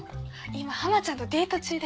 今ハマちゃんとデート中で。